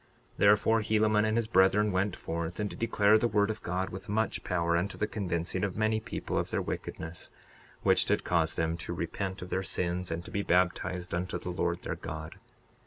62:45 Therefore, Helaman and his brethren went forth, and did declare the word of God with much power unto the convincing of many people of their wickedness, which did cause them to repent of their sins and to be baptized unto the Lord their God.